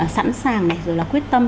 sẵn sàng quyết tâm